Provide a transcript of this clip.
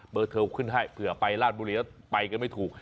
เทิลขึ้นให้เผื่อไปราชบุรีแล้วไปกันไม่ถูก